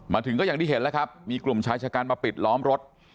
ถึงก็อย่างที่เห็นแล้วครับมีกลุ่มชายชะกันมาปิดล้อมรถ